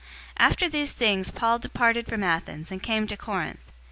018:001 After these things Paul departed from Athens, and came to Corinth.